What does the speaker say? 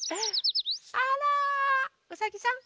あらうさぎさん。